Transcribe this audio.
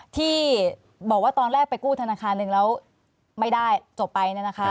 ที่บอกว่าตอนแรกไปกู้ธนาคารหนึ่งแล้วไม่ได้จบไป